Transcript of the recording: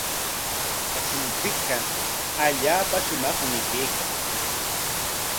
Wasinchikqa allaapa shumaqmi kaykan.